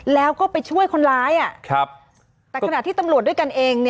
แล้วก็ไปช่วยคนร้ายอะ